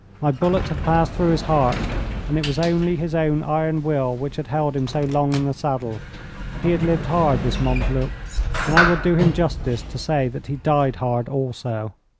My bullet had passed through his heart, and it was only his own iron will which had held him so long in the saddle. He had lived hard, this Montluc, and I will do him justice to say that he died hard also.